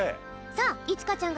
さあいちかちゃん